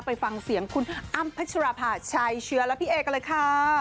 ไปฟังเสียงคุณอ้ำพัชราภาชัยเชื้อและพี่เอกันเลยค่ะ